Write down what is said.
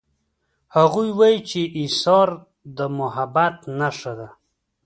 هغوی وایي چې ایثار د محبت نښه ده